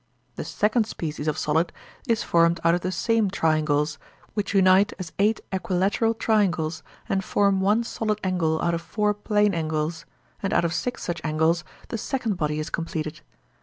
The second species of solid is formed out of the same triangles, which unite as eight equilateral triangles and form one solid angle out of four plane angles, and out of six such angles the second body is completed.